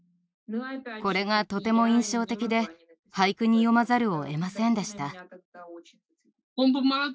これがとても印象的で俳句に詠まざるをえませんでした。